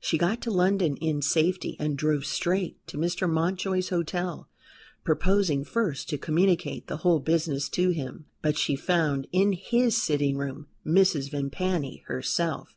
She got to London in safety and drove straight to Mr. Mountjoy's hotel, proposing first to communicate the whole business to him. But she found in his sitting room Mrs. Vimpany herself.